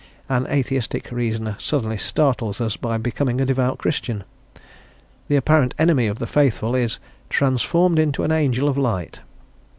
An atheistic reasoner suddenly startles us by becoming a devout Christian; the apparent enemy of the faithful is "transformed into an angel of light."